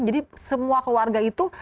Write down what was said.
jadi semua keluarga itu